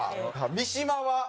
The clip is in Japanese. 三島は？